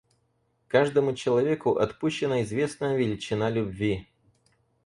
Каждому человеку отпущена известная величина любви.